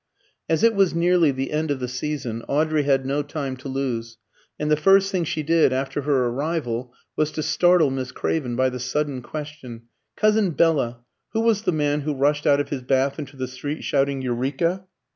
As it was nearly the end of the season Audrey had no time to lose, and the first thing she did after her arrival was to startle Miss Craven by the sudden question "Cousin Bella, who was the man who rushed out of his bath into the street shouting 'Eureka'?"